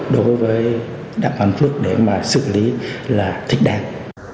đối với đảng đăng phước để mà xử lý là thích đáng